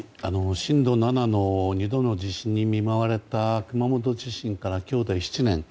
震度７の２度の地震に見舞われた熊本地震から今日で７年。